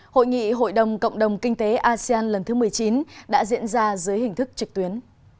hội nghị hội đồng cộng đồng kinh tế asean lần thứ một mươi chín đã diễn ra dưới hình thức trực tuyến